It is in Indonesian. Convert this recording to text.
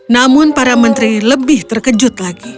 namun para menteri lebih terkejut lagi